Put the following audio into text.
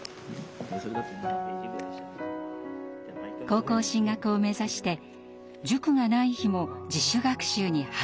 高校進学を目指して塾がない日も自主学習に励んでいます。